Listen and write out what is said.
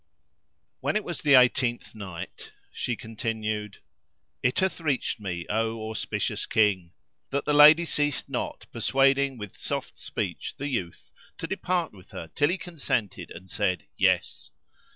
When it was the Eighteenth Night, She continued, It hath reached me, O auspicious King, that the lady ceased not persuading with soft speech the youth to depart with her till he consented and said "Yes."